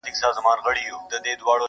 پروت کلچه وهلی پرې ښامار د نا پوهۍ کنې,